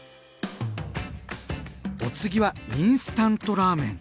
お次はインスタントラーメン！